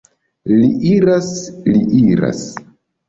Li iras, li iras!